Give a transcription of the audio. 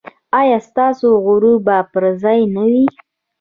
ایا ستاسو غرور به پر ځای نه وي؟